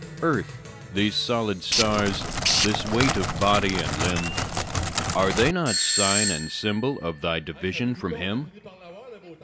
Earth, these solid stars, this weight of body and limb, Are they not sign and symbol of thy division from Him?